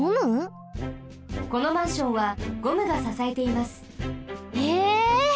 このマンションはゴムがささえています。え？